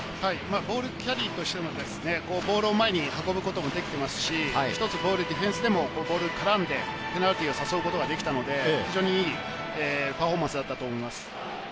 ボールキャリーとして、ボールを前に運ぶこともできてますし、ディフェンスでもボールに絡んでペナルティーを誘うことができたので非常にいいパフォーマンスだったと思います。